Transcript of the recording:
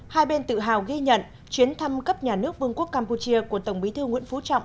hai bên tự hào ghi nhận chuyến thăm cấp nhà nước vương quốc campuchia của tổng bí thư nguyễn phú trọng